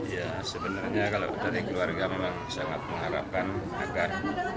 ya sebenarnya kalau dari keluarga memang sangat mengharapkan agar